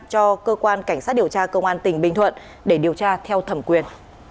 cho cơ quan cảnh sát điều tra công an tỉnh bình thuận để điều tra theo thẩm quyền